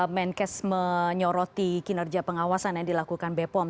menkes menyoroti kinerja pengawasan yang dilakukan bepom